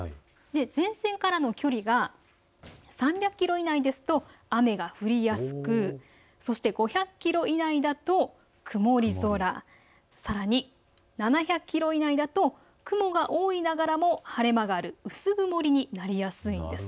前線からの距離が３００キロ以内ですと雨が降りやすくそして５００キロ以内ですと曇り空、さらに７００キロ以内だと雲が多いながらも晴れ間がある、薄曇りになりやすいんです。